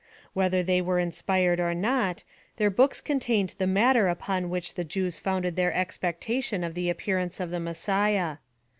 Whether they were inspired or not, their books contained the matter upon which the Jews founded their expectation of the appearance of the Messiah.